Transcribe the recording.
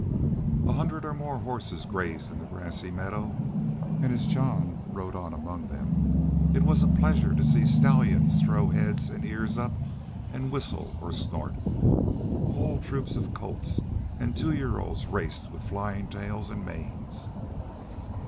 A hundred or more horses grazed in the grassy meadow, and as Jean rode on among them it was a pleasure to see stallions throw heads and ears up and whistle or snort. Whole troops of colts and two year olds raced with flying tails and manes.